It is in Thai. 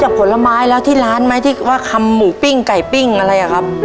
ทับผลไม้เยอะเห็นยายบ่นบอกว่าเป็นยังไงครับ